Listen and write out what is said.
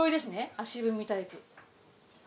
足踏みタイプ。